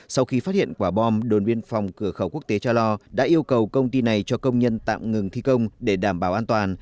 sau khi phát hiện quả bom đồn biên phòng cửa khẩu quốc tế cha lo đã yêu cầu công ty này cho công nhân tạm ngừng thi công để đảm bảo an toàn